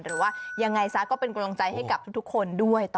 หรือว่ายังไงซะก็เป็นกำลังใจให้กับทุกคนด้วย